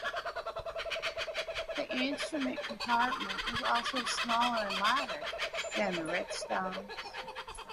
The instrument compartment was also smaller and lighter than the Redstone's.